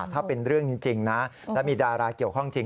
ถ้าเป็นเรื่องจริงนะแล้วมีดาราเกี่ยวข้องจริง